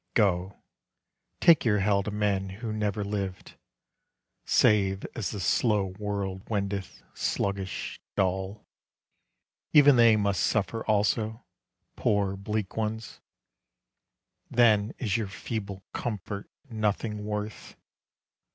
Go, take your hell to men who never lived, Save as the slow world wendeth, sluggish, dull. Even they must suffer also, poor bleak ones, Then is your feeble comfort nothing worth.